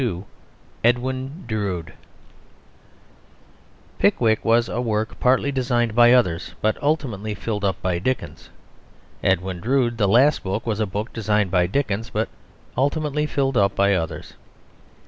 ] EDWIN DROOD Pickwick was a work partly designed by others, but ultimately filled up by Dickens. Edwin Drood, the last book, was a book designed by Dickens, but ultimately filled up by others.